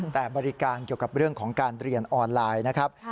แต่บริการเกี่ยวกับเรื่องของการเรียนออนไลน์นะครับ